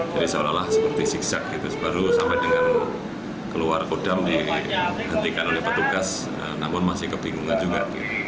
seolah olah seperti sigsak baru sampai dengan keluar kodam dihentikan oleh petugas namun masih kebingungan juga